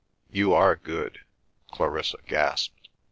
"You are good!" Clarissa gasped.